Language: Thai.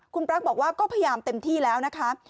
คุณปลั๊กบอกว่าก็พยายามเต็มที่แล้วนะคะ